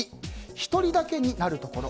一人だけになるところ。